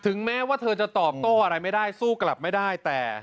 แม้ว่าเธอจะตอบโต้อะไรไม่ได้สู้กลับไม่ได้แต่